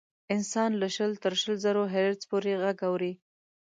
انسان له شل تر شل زرو هرتز پورې غږ اوري.